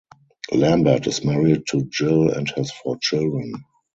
Lambert is married to Jill and has four children.